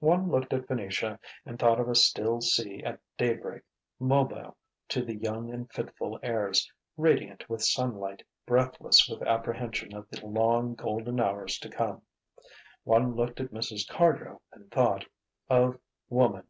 One looked at Venetia and thought of a still sea at daybreak, mobile to the young and fitful airs, radiant with sunlight, breathless with apprehension of the long, golden hours to come. One looked at Mrs. Cardrow and thought of Woman.